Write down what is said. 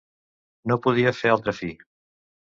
-No podia fer altra fi…